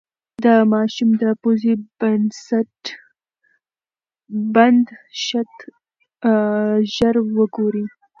د ماشوم د پوزې بندښت ژر وګورئ.